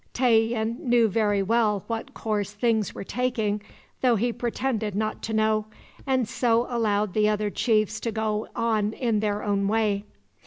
Tayian knew very well what course things were taking, though he pretended not to know, and so allowed the other chiefs to go on in their own way.